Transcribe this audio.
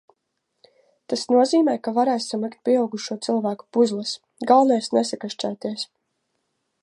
Tas nozīmē, ka varēsim likt pieaugušo cilvēku puzles, galvenais nesakašķēties.